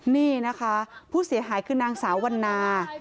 นี่นะคะผู้เสียหายคือนางสาววันนา